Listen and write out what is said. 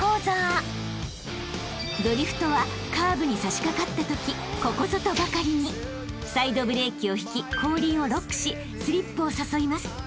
［ドリフトはカーブに差し掛かったときここぞとばかりにサイドブレーキを引き後輪をロックしスリップを誘います］